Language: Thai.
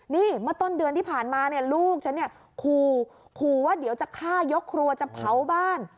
นี่เมื่อต้นเดือนที่ผ่านมาเนี่ยลูกฉันเนี่ยขู่ขู่ว่าเดี๋ยวจะฆ่ายกครัวจะเผาบ้าน